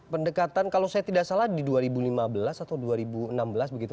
pendekatan kalau saya tidak salah di dua ribu lima belas atau dua ribu enam belas begitu